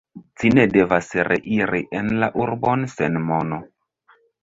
Ci ne devas reiri en la urbon sen mono.